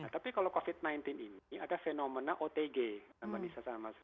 tapi kalau covid sembilan belas ini ada fenomena otg yang bisa disamakan